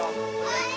はい。